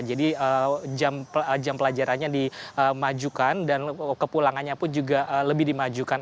jadi jam pelajarannya dimajukan dan kepulangannya pun juga lebih dimajukan